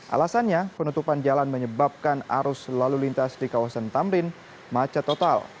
alasannya penutupan jalan menyebabkan arus lalu lintas di kawasan tamrin macet total